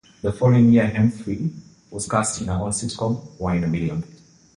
The following year, Hemphill was cast in her own sitcom, "One in a Million".